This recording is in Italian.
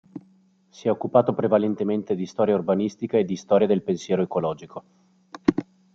Si è occupato prevalentemente di storia urbanistica e di storia del pensiero ecologico.